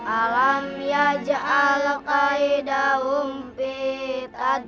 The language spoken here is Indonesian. alam yaja'al kaidahum fitadli